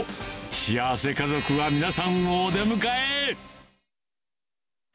幸せ家族が皆さんをお出迎え。